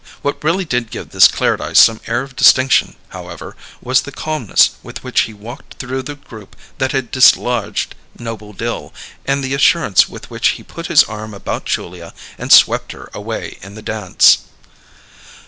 What really did give this Clairdyce some air of distinction, however, was the calmness with which he walked through the group that had dislodged Noble Dill, and the assurance with which he put his arm about Julia and swept her away in the dance.